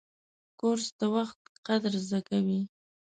کورس د وخت قدر زده کوي.